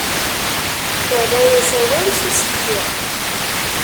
Terra-yas awal s usetḥi